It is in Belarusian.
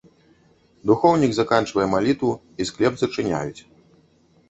Духоўнік заканчвае малітву, і склеп зачыняюць.